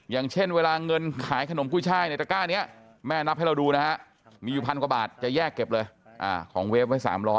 อย่างเช่นเวลาเงินขายขนมกุ้ยช่ายในตระก้านี้แม่นับให้เราดูนะฮะมีอยู่พันกว่าบาทจะแยกเก็บเลยของเวฟไว้๓๐๐